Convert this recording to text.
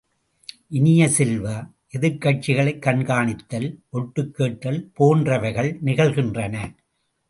இனிய செல்வ, எதிர்கட்சிகளைக் கண்காணித்தல், ஓட்டுக் கேட்டல் போன்றவைகள் நிகழ்கின்றன.